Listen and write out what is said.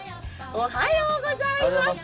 おはようございます。